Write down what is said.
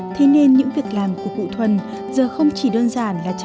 thế nên những việc làm của cụ thuần giờ không chỉ đơn giản là chăm sóc